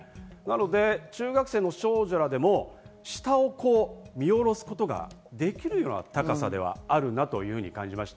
中学生の少女らでも下を見下ろすことができるような高さではあるなというふうに感じました。